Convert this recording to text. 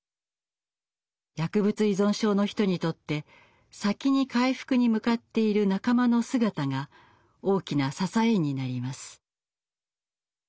薬物依存症の人にとって先に回復に向かっている仲間の姿が大きな支えになります。